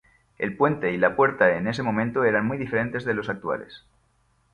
El puente y la puerta en ese momento eran muy diferentes de los actuales.